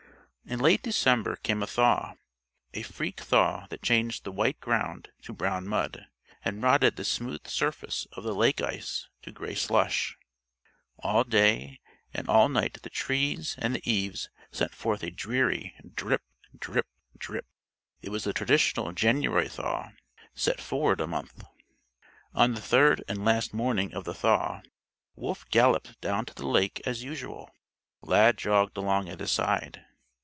In late December came a thaw a freak thaw that changed the white ground to brown mud and rotted the smooth surface of the lake ice to gray slush. All day and all night the trees and the eaves sent forth a dreary drip drip drip. It was the traditional January Thaw set forward a month. On the third and last morning of the thaw Wolf galloped down to the lake as usual. Lad jogged along at his side.